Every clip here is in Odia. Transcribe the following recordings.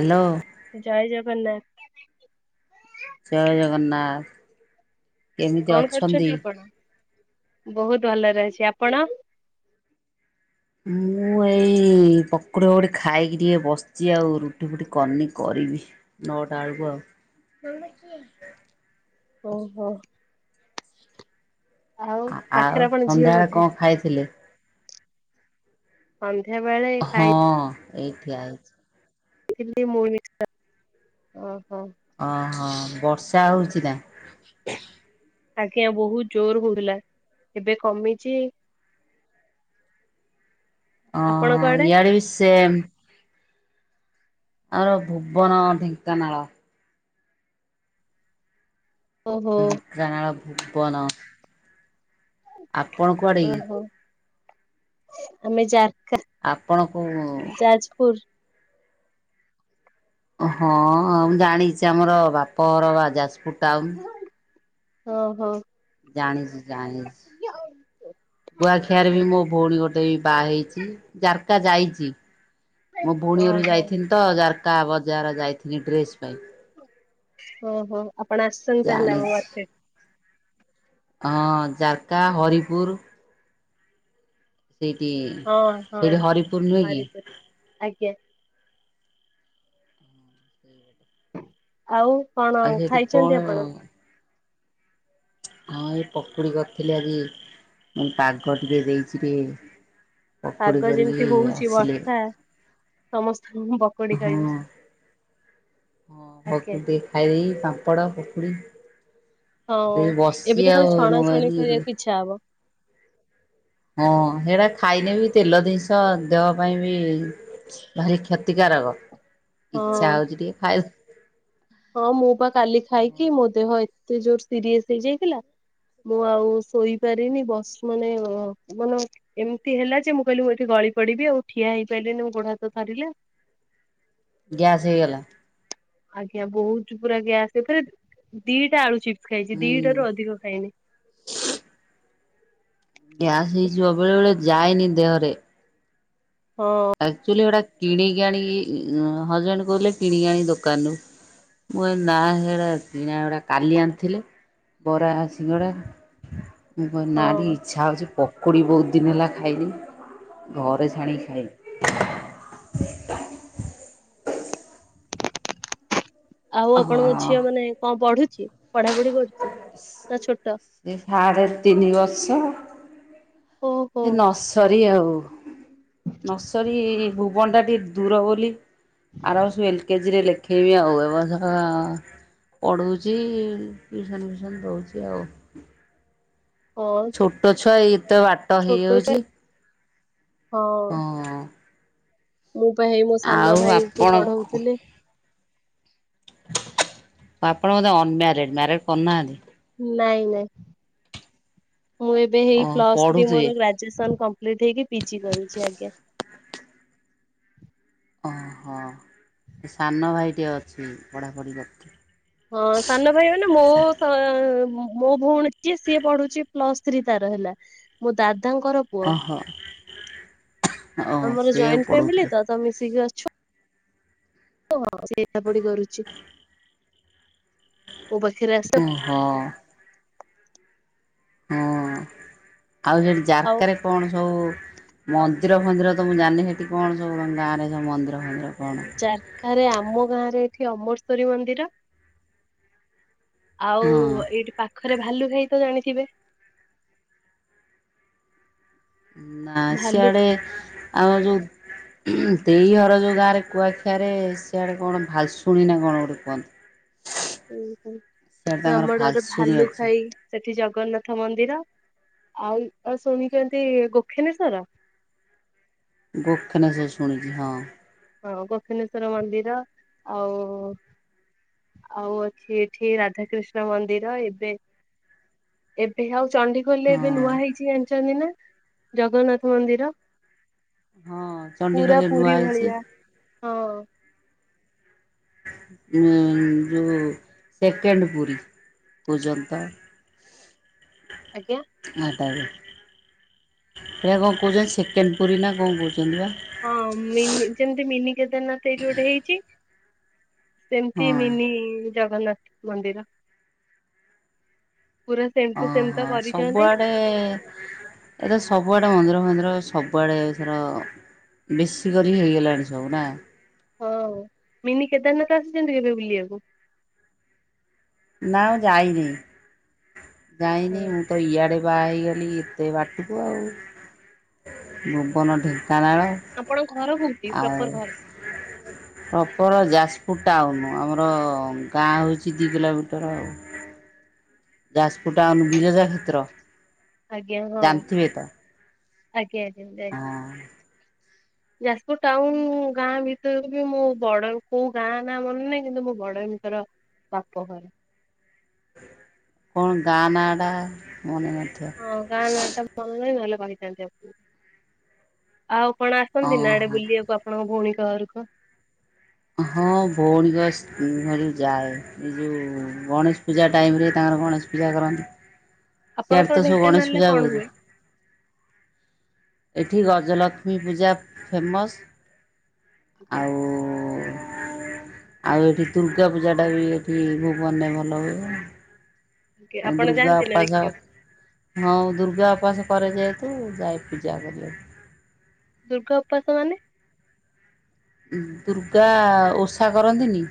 ହାଲୋ। ଜୟ ଜଗନ୍ନାଥ। ଜୟ ଜଗନ୍ନାଥ କେମିତି ଅଛନ୍ତି? ବୋହୁତ ଭଲରେ ଅଛି ଆପଣ? ମୁଁ ଏଇ ପକୁୋଡ଼ି ପକୁଡ଼ି ଖାଇକି ଟିକେ ବସିଛି ଆଉ ରୁଟି ଫୁଟି କରିନି କରିବି। ନୋ ଟା ଆଳକୁ ଆଉ ଓହୋ। ଆଉ ପାଖରେ ଆଉ ଆପଣ ଝିଅ ସନ୍ଧ୍ୟାବେଳେ ବୋଧେ? କଣ ଖାଇଥିଲେ ସନ୍ଧ୍ୟାବେଳେ ହଁ ଏଇଠି ଅଛି [inaudible] ମି ଓହୋ ଓହୋ ବର୍ଷା ହଉଛି ନା? ଆଜ୍ଞା ବହୁତ ଜୋର ହଉଥିଲା ଏବେ କମିଛି ଓ ଆପଣଙ୍କ ଆଡେ? ଇଆଡ଼େ ବି ସେମ୍ ଆମର ଭୁବନ ଢେଙ୍କାନାଳ ଓହୋ। ଯାଆଁଳ ଭୁବନ ଆପଣ କୁଆଡେ ଓହୋ ଆମେ ଜାରକା ଆପଣ କୋଉ ଯାଜପୁର୍। ହଁ ମୁଁ ଜାଣିଛି ଆମର ବାପର ବା ଯାଜପୁର୍ ଟାଉନ୍। ଓଁ ହୋ। ଜାଣିଛି ଜାଣିଛି ଗୁଆଖିଆରେ ବି ମୋ ଭଉଣୀ ଗୋଟେ ବି ବାହା ହେଇଛି ଜାର୍କା ଯାଇଛି। ମୋ ଭଉଣୀ ଘରୁକୁ ଓହୋ ଯାଇଥଥିନି ତ ଜାର୍କା ବଜାର ଯାଇଥିନି ଡ୍ରେସ୍ ପାଇଁ। ହଁ ହୋ ଆପଣ ଆସିଛନ୍ତି ତାହେଲେ ଅମ ଜାଣିଛି। ମାର୍କେଟ ହଁ ଜାର୍କା ହରିପୁର ସେଇଠି ହଁ ହଁ ସେଇଠି ହରିପୁର ନୁହେଁ କି ହରିପୁରୁ ଆଜ୍ଞା। [unintelligible] ଆଉ କଣ ଆଉ ସେଇଠି କଣ ଖାଇଛନ୍ତି ଆପଣ? ହଁ ହଁ ଏଇ ପକୁଡ଼ି କରିଥିଲି ଆଜି ମୁଁ ପାଗ ଟିକେ ଦେଇଛି ଆଜି ପାଗ ଯେମିତି ହଉଛି ଆସିଲେ ବର୍ଷା ସମସ୍ତଙ୍କୁ ପକୁଡି ହଁ ଖାଇବି ହଁ ଆଜ୍ଞା। [inaudible] ଖାଇ ଦେଇ ପାମ୍ପଡ଼ ପୋକୁଡ଼ି ହଁ ଏଇ ବସି ଆଉ ମୁ କହିନୀ ଆଚ୍ଛା ବ ହଁ ସେଇଟା ଖାଇନି ବି ତେଲ ଜିନିଷ ଦେହ ପାଇଁ ବି ଭାରି କ୍ଷତିକାରକ ହଁ ଇଚ୍ଛା ହଉଛି ଟିକେ ଖାଇ ହଁ ମୁଁ ବା କାଲି ଖାଇକି ମୋ ଦେହ ଏତେ ଜୋର ସିରିଅସ ହେଇଯାଇଥିଲା। ମୁଁ ଆଉ ଶୋଇପାରିନି ବସି ମାନେ ମାନେ ଏମିତି ହେଲା ଯେ ମୁଁ କହିଲି ମୁଁ ଏଠି ଗଳି ପଡି଼ବି ଆଉ ଠିଆ ହେଇପାରିଲିନି ଗୋଡ଼ ହାତ ଥରିଲା ଗ୍ୟାସ୍ ହେଇଗଲା ଆଜ୍ଞା ବହୁତ ପୁରା ଗ୍ଯାସ୍ ପୁରା ଦିଟା ଆଳୁ ଚିପ୍ସ ଖାଇଛି ହୁଁ। ଦିଟା ରୁ ଅଧିକ ଖାଇନି। ଗ୍ୟାସ ହେଇଯିବ ବେଳେ ବେଳେ ଯାଏନି ଦେହରେ। ହଁ ଅଚିଲି କିଣିକି ଆଣି ହଜବେଣ୍ଡ କହୁଥିଲେ କିଣିକି ଆଣି ଦୋକାନରୁୁ ମୁଁ କହିଲି ନା ହେଡା଼ କିଣା ଗୁଡା଼ କାଲି ଆଣିଥିଲେ ବରା ସିଙ୍ଗଡା଼ ମୁଁ କହିନି ନା ଟିକେ ହଁ ଇଚ୍ଛା ହେଉଛି ପକୁଡ଼ି ବହୁତ୍ ଦିନି ହେଲା ଖାଇନି ଘରେ ଛାଣିକି ଖାଇଲି। [inaudible] ଆଉ ହଁ ଆପଣଙ୍କ ଝିଅ ମାନେ କଣ ପଢୁଛି। ପଢ଼ାପଢ଼ି କରୁଛେ ନା ଛୋଟ? ସେ ସାଢ଼େ ତିନି ଓହୋ ଏ ନର୍ସରୀ ଆଉ ନର୍ସରୀ ଭୁବନ ଟା ଟିକେ ଦୂର ବୋଲି ଆର ବର୍ଷ ଏଲ କେଜିି ରେ ଲେ ଖେଇବି ଆଉ ଏ ବର୍ଷ ପଢ଼ୁଉଚି ଟ୍ୟୁଉସନ୍ ଫିଉସନ୍ ଦଉଛି ଆଉ। [unintelligible] ଛୋଟ ଛୁଆ ଏଇତ ବାଟ ଛୋଟ ତ ହେଇଯାଉଛି। ହଁ। ହଁ। ମୁଁ ପା ହେଇ ମୋ ଆଉ ସାନ ଭାଇକୁ ଆପଣ ପଢ଼ଉଥିଲି। ଆପଣ ମୋତେ ଅନମ୍ୟାରେଡ଼ ମ୍ୟାରେଡ଼ କରୁନାହାନ୍ତି। ନାଇଁ ନାଇଁ ମୁଁ ଏବେ ହେଇ ଓହ ପ୍ଲସ ଥ୍ରୀ ପଢ଼ୁଥିବେ ମୋର ଗ୍ରା ଗାଜେ ସନ୍ କମ୍ପ୍ଲିଟ୍ ହେଇକି ପିଜି କରୁଚି ଆଜ୍ଞା। ଓହୋ ସାନ ଭାଇଟିିଏ ଅଛି ପଢ଼ାପଢ଼ି କରୁ ହଁ ସାନ ଭାଇ ମାନେ ମୋ ତ ମୋ ଭଉଣୀ ଯିଏ ସିଏ ପଢ଼ୁଛି ପ୍ଲସ୍ ଥ୍ରୀ ତାର ହେଲା ମୋ ଦାଦାଙ୍କର ପୁଅ ଓହୋ। ଓ ଆମର ସେଇଆକୁ ଜଏଣ୍ଟ ଫ୍ୟାମିଲି ପଢ଼ଉଥିଲେ ତ ତ ମିଶିକି ଅଛୁ। [unintelligible] ସେ ଏକା ପଢ଼ି କରୁଛି ମୋ ପାଖରେ ଆସେ ହଁ। ହଁ ଆଉ ସେଠି ଆଉ ଜାରକାରେ କଣ ସବୁ ମନ୍ଦିର ଫନ୍ଦିର ତ ମୁଁ ଜାଣନି ସେଠି କଣ ସବୁ ଗାଁରେ ସବୁ ମନ୍ଦିର ଫନ୍ଦିର? କଣ? ଜାରକା ରେ ଆମ ଗାଁ ରେ ଏଠି ଅମରସରୀ ମନ୍ଦିର। ଆଉ ହଁ ଏଇଠି ପାଖରେ ଭାଲୁ ଖାଇ ତ ଜାଣିଥିବେ? ନା ଭାଲୁ ସିଆଡ଼େ ଆଉ ଯଉ ଦେଇ ଘର ଯୋଉ ଗାଁ ରେ କୁଆଖିଆରେ ସିଆଡ଼େ କଣ ଭାଲଶୁଣି ନା କଣ ଗୋଟେ କୁହନ୍। ଉଁ ସିଆଡ଼େ ହୁ ତାଙ୍କର ଆମ ଡ଼ାରେ ଭାଲଶୁଣୀ ଭାଲୁ ଅଛି ଖାଇ। ସେଠି ଜଗନ୍ନାଥ ମନ୍ଦିର ଆଉ ଆ ଶୁଣିଛନ୍ତି ଗୋଖନେଶ୍ଵର? ଗୋଖନାସ ଶୁଣିଛି ହଁ। ହଁ ଗୋଖନେଶ୍ଵର ମନ୍ଦିର ଆଉ। ଆଉ ଅଛି ଏଠି ରାଧାକୃଷ୍ଣ ମନ୍ଦିର ଏବେ ଏବେ ଆଉ ଚଣ୍ଡିଖୋଲରେ ଏବେ ହଁ। ନୂଆ ହେଇଛି ଜାଣିଛନ୍ତି ନା ଜଗନ୍ନାଥ ମନ୍ଦିର ହଁ ପୁରା ଚଣ୍ଡିଖୋଲରେ ନୂଆ ପୁରୀ ହେଇଛି ଭଳିଆ। ହଁ। ଉଁ ଜଉ ସେକେଣ୍ଡ ପୁରୀ ପୂଜନ୍ତ। ଆଜ୍ଞା। ମାତାରେ ହେଆ କଣ କହୁଛନ୍ତି ସେକେଣ୍ଡ ପୁରୀ ନା କଣ କହୁଛନ୍ତି ବା। ହଁ ମିନି ଯେମତି ମିନି କେଦାରନାଥ ଏଇଟି ଗୋଟେ ହେଇଚି। ସେମତି ହଁ। ମିନି ଜଗନ୍ନାଥ ମନ୍ଦିର। ପୁରା ସେମ୍ ଟୁ ସେମ୍ ତ ଓହୋ କରିଛନ୍ତି ସବୁଆଡ଼େ ଏ ତ ସବୁଆଡ଼େ ମନ୍ଦିର ଫନ୍ଦିର ସବୁଆଡ଼େ ଏଥର। ବେଶୀ କରି ହେଇଗଲାଣି ସବୁ ନା? ହଁ ମିନି କେଦାରନାଥ ଆସିଛନ୍ତି କେବେ ବୁଲିବାକୁ? ନାଁ ମୁ ଯାଇନି। ଯାଇନି ହଁ ମୁଁ ତ ଇଆଡ଼େ ବାଆ ହେଇଗଲି ଏତେ ବାଟକୁ ଆଉ। ଭୁବନ ଢେଙ୍କାନାଳ ଆପଣ ଘର କୋଉଠି ଆଉ ପ୍ରପର ଘର? ପ୍ରପର ଯାଜପୁର ଟାଉନ ଆମର ଗାଁ ହଉଚି ଦି କିଲୋମିଟର ଆଉ। ଯାଜପୁର ଟାଉନ ବିରଜା କ୍ଷେତ୍ର। ଆଜ୍ଞା ହଁ ଜାଣିଥିବେ ତ ଆଜ୍ଞା ଆଜ୍ଞା ଯାଇଛି। ହଁ। ଯାଜପୁର ଟାଉନ ଗାଁ ଭିତରକୁ ବି ମୁଁ ବଡ଼ କୋଉ ଗାଁ ନାଁ ମନେ ନାହିଁ କିନ୍ତୁ ମୋ ବଡ ଭିତର ବାପ ଘର। କଣ ଗାଁ ନାଁ ଟା ମନେ ନଥିବ। ହଁ ଗାଁ ନାଁ ଟା ମନେ [unintelligible] ନହେଲେ କହିଥାନ୍ତି ଆପଣ ଆଉ କଣ ଆସନ୍ତି ନା ଏଡେ ଓହୋ ବୁଲିବାକୁ ଆପଣଙ୍କ ଭଉଣୀଙ୍କ ଘରକୁ? ହଁ ଭଉଣୀ [unintelligible] ଯାଏ। ଏ ଯଉ ଗଣେଶ ପୂଜା ଟାଇମରେ ତାଙ୍କର ଗଣେଶ ପୂଜା କରନ୍ତି। ସିଆଡେ ଆପଣଙ୍କର ତ ସବୁ ଗଣେଶ ଢେଙ୍କାନାଳରେ ପୂଜା କଣ ହୁଏ? [unintelligible] ଏଠି ଗଜଲକ୍ଷ୍ମୀ ପୂଜା ଫେମସ୍ ଆଜ୍ଞା ଆଉ ଆଉ ଏଠି ଦୁର୍ଗା ପୂଜାଟା ବି ଏଠି ଭୁବନେ ଭଲ ହୁଏ। ଆଜ୍ଞା ଆପଣ ଦୁର୍ଗା ଯାଆନ୍ତି ନା ଅପାସ। ଦେଖିବାକୁ ହଁ ଦୁର୍ଗା ଅପାସ କରେ ଯେହେତୁ ଯାଏ ପୂଜା କରିଆକୁ। ଦୁର୍ଗା ଉପାସ ମାନେ? ଦୁର୍ଗା ଓଷା କରନ୍ତିନି।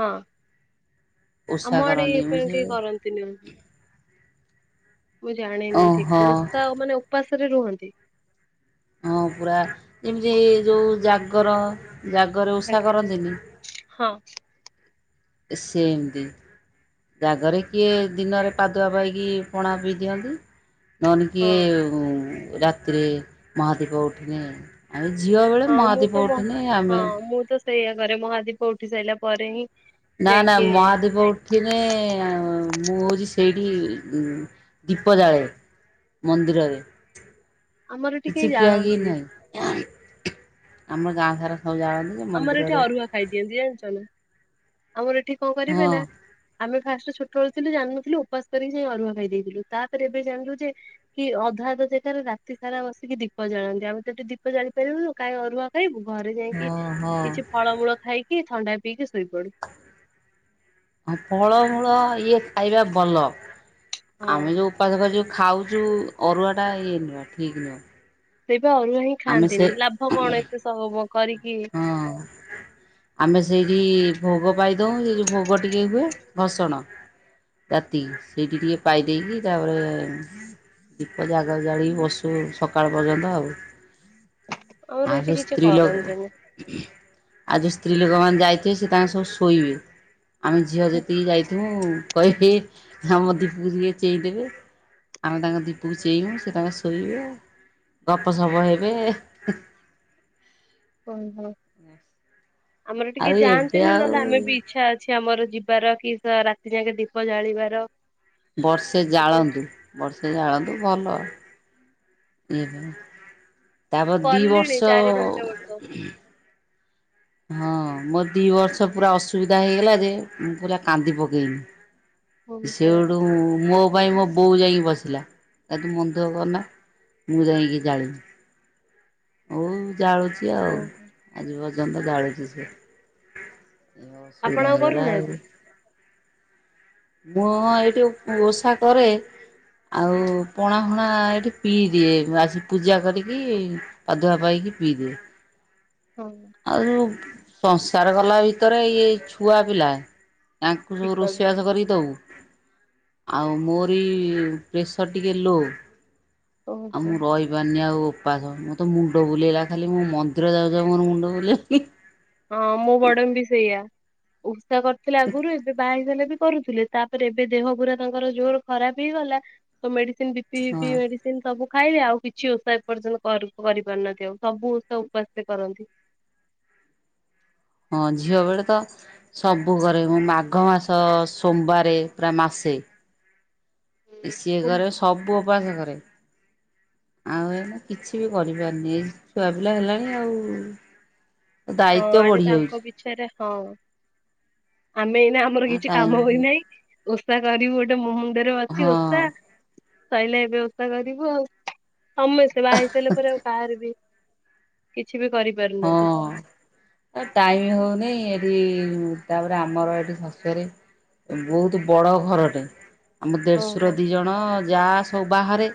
ହଁ ଓଷା ଆମ ଆଡେ କରନ୍ତି ଏଇ ମୁଁ ସେ [unintelligible] କେହି କରନ୍ତିନି। ମୁଁ ଜାଣେନି ଓହୋ ଠିକ ଓଷା ମାନେ ଉପାସରେ ରୁହନ୍ତି? ହଁ ପୁରା ଯେମିତି ଏ ଯୋଉ ଜାଗର ଜାଗରେ ଉଷା ଆଜ୍ଞା କରନ୍ତିନି। ହଁ। ସେମତି। ଜାଗରେ କିଏ ଦିନରେ ପାଦୁଆ ପାଇକି ପଣା ପିଇ ଦିଅନ୍ତି। ନହେଲେ ହଁ କିଏ ଉଁ ରାତିରେ ମହାଦୀପ ଉଠିନେ ଆଉ ଝିଅ ବେଳେ ହଁ ମୁଁ ତ ମହାଦୀପ ମ ଉଠିନେ ହଁ ଆମେ ମୁଁ ତ ସେଇଆ କରେ ମହାଦୀପ ଉଠି ସାରିଲା ପରେ ହିଁ ନା ନା ଯାଇକି ମହାଦୀପ ଠିନେ ଏଁ ମୁଁ ହଉଛି ସେଇଟି ଦୀପ ଜାଳେ। ମନ୍ଦିରରେ ଆମର ଏଠି କେହି କିଛି ଖିଆ କି ଜାଳନ୍ତିନି ନାହିଁ? ଆମ ଗାଁ ସାରା ସବୁ ଜାଳନ ଆମର ଏଠି ଅରୁଆ ଖାଇଦିଅନ୍ତି ଜାଣିଛ ନା ଆମର ଏଠି କଣ କରିବେ ହଁ ନା ଆମେ ଫାଷ୍ଟ ଛୋଟବେଳୁଥିଲୁ ଜାଣିନଥିଲୁ ଉପାସ କରିକି ଯାଇ ଅରୁଆ ଖାଇ ଦେଇଥିଲୁ ତାପରେ ଏବେ ଜାଣିଲୁ ଯେ କି ଅଧା ଅଧା ଜାଗାରେ ରାତି ସାରା ବସିକି ଦୀପ ଜାଳନ୍ତି ଆମେ ତ ଠି ଦୀପ ଜାଳି ପାରିବୁନୁ କାହିଁ ଅରୁଆ [unintelligible] ଘରେ ଯାଇକି ହଁ ହଁ। କିଛି ଫଳମୂଳ ଖାଇକି ଥଣ୍ଡା ପିଇକି ଶୋଇପଡି ଫଳମୂଳ ଇଏ ଖାଇବା ଭଲ। ହଁ ଆମେ ଯୋଉ ଉପାସକରି ଯଉ ଖାଉଛୁ ଅରୁଆ ଟା ଇଏ [unintelligible] ଠିକ ନୁହଁ। ସେଇପା ଅରୁଆ ହିଁ ଆମେ ସେ ଖାଆନ୍ତିନି ଲାଭ କଣ ଏତେ ସହମ କରିକି। ହଁ। ଆମେ ସେଇଠି ଭୋଗ ପାଇ ଦଉ ସେ ଯଉ ଭୋଗ ଟିକେ ହୁଏ ଭସଣ। ରାତି ସେଇଠି ଟିକେ ପାଇ ଦେଇକି ତାପରେ ଦୀପ ଜାଗା ଜାଳି ବସୁ ସକାଳ ପର୍ଯ୍ୟନ୍ତ ଆଉ। ଆମର ଆଉ ଏଇଠି ସଉ କିଛି ସ୍ତ୍ରୀ ଲୋ କରନ୍ତିନି ଆଉ ଜ ସ୍ତ୍ରୀ ଲୋକମାନେ ଯାଇଥିବେ ସେ ତାଙ୍କ ସବୁ ଶୋଇବେ। ଆମେ ଝିଅ ଯେତିକି ଯାଇଥିବୁ କହି [unintelligible] ମଦିପୁରେ ଚେଇ ଦେବେ। ଆମେ ତାଙ୍କ ଦୀପକୁ ଚେଇବୁ ସେ ତାଙ୍କ ଶୋଇବେ ଗପ ସପ ହେବେ। ଓହୋ ଆମର ଟିକେ ଆଉ ଏବେ ଯାଆନ୍ତିନି ନହେଲେ ଆମେ ଆଉ ବି ଇଚ୍ଛା ଅଛ ଛି ଆମର ଯିବାର କି ର ରାତି ଯାକେ ଦୀପ ଜାଳିବାର। ବର୍ଷେ ମୁଁ ଜାଳନ୍ତୁ, ବର୍ଷେ ଜାଳନ୍ତୁ ଭଲ। [unintelligible] ତାପ ଦି କଲିଣି ବର୍ଷ ଚାରି ପାଞ୍ଚ ବର୍ଷ। ହଁ ମୋର ଦି ବର୍ଷ ପୁରା ଅସୁବିଧା ହେଇଗଲା ଯେ ମୁଁ ପୁରା କାନ୍ଦି ପକେଇନି। ଓହୋ ସେଉଠୁ ମୋ ପାଇଁ ମୋ ବୋଉ ଯାଇକି ବସିଲା ତା ତୁ ମନ୍ଦ କରନା ମୁଁ ଯାଇକି ଜାଳିିନି। ଅଉ ଜାଳୁଚି ଆଉ ଓହୋ। ଆଜି ପର୍ଯ୍ୟନ୍ତ ଜାଳୁଚି ସେ। ଏ ଆପଣ ଅସୁବିଧା ଆଉ ହେଇଗଲା କରୁନାହାନ୍ତି? ଆଉ। ମୁଁ ଏଇଠି ଉ ଉ ଓଷା କରେ। ଆଉ ପଣା ହଣା ଏଠି ପିଇ ଦିଏ ଆସି ପୂଜା କରିକି। ପାଧୁକା ପାଇକି ପିଇଦିଏ। ହଁ। ଆଉ ଯଉଁ ସଂସ୍କାର କଲା ଭିତରେ ଇଏ ଛୁଆ ପିଲା ତାଙ୍କୁ ସବୁ ଠିକ୍ କଥା ରୋଷେଇବାସ କରିକି ଦବୁ। ଆଉ ମୋରି ପ୍ରେସର୍ ଟିକେ ଲୋ। ଆଉ ଓହୋ। ମୁଁ ରହି ପାରୁନି ଆଉ ଉପାସ ମୋତେ ମୁଣ୍ଡ ବୁଲେଇଲା ଖାଲି ମୁଁ ମନ୍ଦିର ଯାଉ ଯାଉ ମୋର ମୁଣ୍ଡ ବୁଲେଇଲାଣି। ହଁ ମୁଁ ବଡମ୍ ବି ସେଇଆ ଉଷା କରିଥିଲି ଆଗରୁ ଏବେ ବାହା ହେଇଗଲା ବି କରୁଥିଲେ ତାପରେ ଏବେ ଦେହ ପୁରା ତାଙ୍କର ଜୋର ଖରାପ ହେଇଗଲା ତ ମେଡିସିନ ବି ପିି ପି ହଁ ପି ମେଡିସିନ। ସବୁ ଖାଇବେ ଆଉ କିଛି ଓଷା ଏପର୍ଯ୍ୟନ୍ତ କର କରିପାରୁନାହାନ୍ତି ଆଉ ସବୁ ଓଷା ଉପାସ ସେ କରନ୍ତି। ହଁ ଝିଅ ବେଳେ ତ ସବୁ କରେ ମୁଁ ମାଘ ମାସ ସୋମବାରେ ପୁରା ମାସେ। ସିଏ ହଁ କରେ ସବୁ ଉପାସ କରେ। ଆଉ ଏଇନା କିଛି ବି କରିପାରୁନି। ଏଇ ଛୁଆ ପିଲା ହେଲାଣି ଆଉ। ଦାୟିତ୍ୱ ବଢିଯାଉଚି। ଛେରେ ହଁ ଆମେ ଏଇନା ଆମର ଆଉ କିଛି କାମ ଟାଇମ୍ ହୋଇନାହିଁ। ଓଷା କରିବୁ ଗୋଟେ ମୁଣ୍ଡରେ ଅଛି ହଁ ଓଷା। ସଇଲେ ଏବେ ଓଷା କରିବୁ ଆଉ। ସମସ୍ତେ ବାହା ହେଇସାରିଲା ପରେ ଆଉ କାହାର ବି କିଛି ବି କରିପାରୁନାହାନ୍ତି। ଟାଇମି ହଉନି ଏଠି ତାପରେ ଆମର ଏଠି ଶାଶୁ ଘରେ ବହୁତ୍ ବଡ ଘରଟେ ଆମ ଦେଢ଼ଶୁର ଓହୋ ଦିଜଣ ଯା ସବୁ ବାହାରେ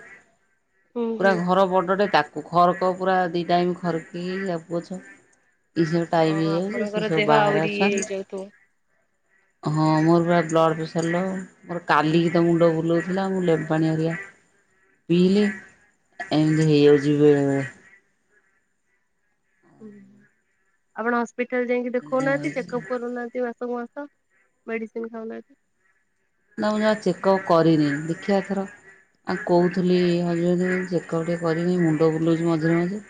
ହୁଁ। ପୁରା ହୁଁ। ଘର ବଡ଼ଟେ ତାକୁ ଖରକ ପୁରା ଦି ଟାଇମ୍ ଖରକି ତାକୁ ପୋଛ। ଏଇ ସବୁ ଟାଇମ ହଁ ହେଇଯାଉଚି ସେ ଆପଣଙ୍କର ସବୁ ଦେହ ବାହାରେ ଆହୁରି ଇଏ ଅଛନ୍ତି। ହେଇଯାଉଥିବ। [inaudible] ହଁ ମୋର ପା ବ୍ଲଡ଼୍ ପ୍ରେସର ଲୋ। ମୋର କାଲିକି ତ ମୁଣ୍ଡ ବୁଲଉଥିଲା ମୁଁ ଲେମ୍ବାପାଣି ହରିକା ପିଲି। ଏମିତି ହେଇଯାଉଚି ବେଳେବେଳେ। ଆପଣ ହସ୍ପିଟାଲ ଯାଇକି ଏଇଆ ଦେଖଉନାହାନ୍ତି ହଉଛି। ଚେକ୍ଅପ୍ କରୁନାହାନ୍ତି ମାସକୁ ମାସ। ମେଡିସିନ୍ ଖାଉନାହାନ୍ତି। ନା ମୁଁ ଜମା ଚେକ୍ଅପ୍ କରିନି ଦେଖିଆ ଏଥର। ଆଉ କଉଥିଲି ହଜବେଣ୍ଡ ଙ୍କୁ ଚେକପ୍ ଟିକିଏ କରିବି ମୁଣ୍ଡ ବୁଲଉଚି ମଝିରେ ମଝିରେ।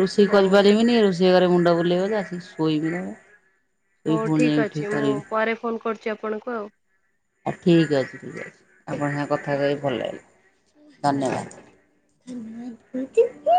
ରୋଷେଇ ହଉ କରିପାରିବିନି। ରୋଷେଇ ଘରେ ମୁଣ୍ଡ ବୁଲେଇବ ଶୋଇ ବି ନା ହଉ ଠିକ୍ ଅଛି ମୁଁ ପରେ ଫୋନ୍ କରୁଚି ଆପଣଙ୍କୁ ଆଉ। ଆ ଠିକ୍ ଅଛି ଠିକ୍ ଅଛି। ଆପଣଙ୍କ ସାଙ୍ଗେ କଥା ହେଇକି ଭଲ ଲାଗିଲା ଆଜ୍ଞା। ଧନ୍ୟବାଦ। [inaudible]